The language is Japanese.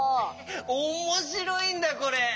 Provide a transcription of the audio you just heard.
おもしろいんだよこれ。